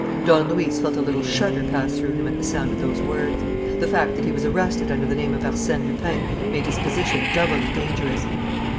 '" Don Luis felt a little shudder pass through him at the sound of those words. The fact that he was arrested under the name of Arsène Lupin made his position doubly dangerous.